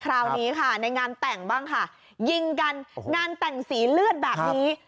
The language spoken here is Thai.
คราวนี้ค่ะในงานแต่งบ้างค่ะยิงกันงานแต่งสีเลือดแบบนี้